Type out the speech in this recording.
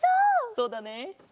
そうだね。